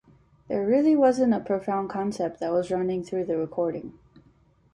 There really wasn't a profound concept that was running through the recording.